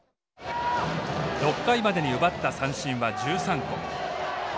６回までに奪った三振は１３個。